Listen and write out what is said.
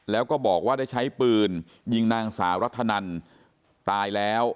แล้วก็บอกว่าได้ใช้ปืนยิงนางสาวรัฐนันตายแล้ว